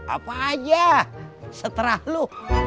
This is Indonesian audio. apa aja seterah lo